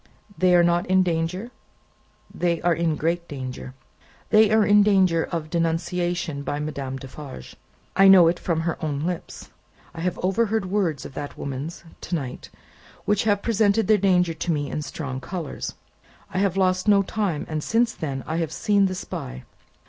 "They are not in danger?" "They are in great danger. They are in danger of denunciation by Madame Defarge. I know it from her own lips. I have overheard words of that woman's, to night, which have presented their danger to me in strong colours. I have lost no time, and since then, I have seen the spy.